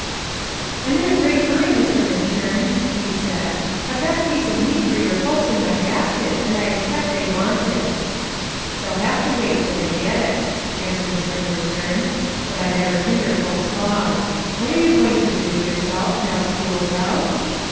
"I'm in a great hurry, Mr. Minturn," he said; "I've got a piece of meat for your folks in my basket, and I expect they want it." "They'll have to wait till they get it," answered Mr. Minturn; "but I never hinder folks long. What are you going to do with yourself, now school's out?"